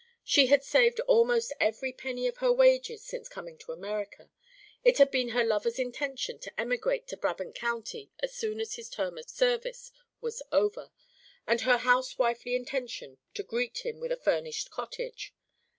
She had saved almost every penny of her wages since coming to America; it had been her lover's intention to emigrate to Brabant County as soon as his term of service was over, and her housewifely intention to greet him with a furnished cottage.